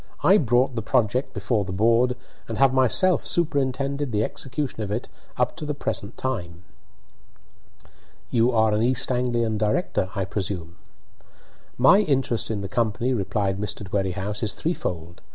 I brought the project before the board, and have myself superintended the execution of it up to the present time." "You are an East Anglian director, I presume?" "My interest in the company," replied Mr. Dwerringhouse, "is threefold.